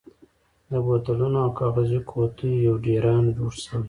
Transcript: د بوتلونو او کاغذي قوتیو یو ډېران جوړ شوی.